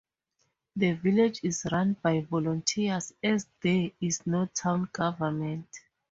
The village is run by volunteers as there is no town government.